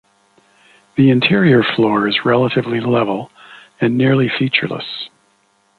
The interior floor is relatively level and nearly featureless.